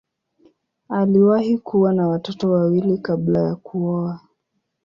Aliwahi kuwa na watoto wawili kabla ya kuoa.